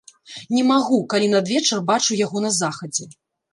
Не магу, калі надвечар бачу яго на захадзе.